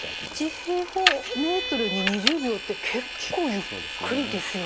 １平方メートルに２０秒って結構ゆっくりですよね。